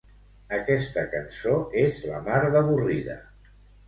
Aquesta cançó és la mar d'avorrida.